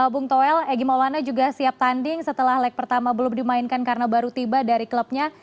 bung toel egy maulana juga siap tanding setelah leg pertama belum dimainkan karena baru tiba dari klubnya